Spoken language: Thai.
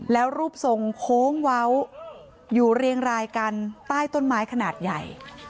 แล้วรูปทรงโค้งเว้าอยู่เรียงรายกันใต้ต้นไม้ขนาดใหญ่